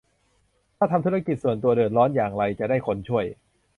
ถ้าทำธุรกิจส่วนตัวเดือดร้อนอย่างไรจะได้คนช่วย